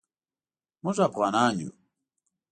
موږ افعانان یو